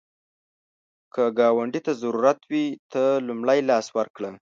که ګاونډي ته ضرورت وي، ته لومړی لاس ورکړه